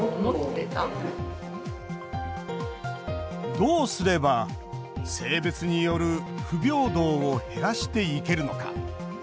どうすれば性別による不平等を減らしていけるのか。